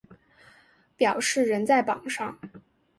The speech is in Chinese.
表示仍在榜上